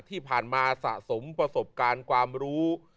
ที่ผ่านมาสะสมประสบการณ์ความรู้